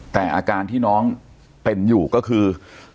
แต่อาการที่น้องเป็นอยู่ก็คือ